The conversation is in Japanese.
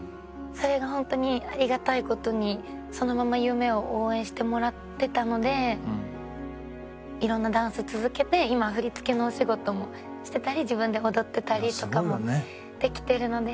それが本当にありがたい事にそのまま夢を応援してもらってたのでいろんなダンス続けて今は振り付けのお仕事もしてたり自分で踊ってたりとかもできてるので。